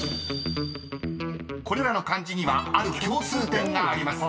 ［これらの漢字にはある共通点があります］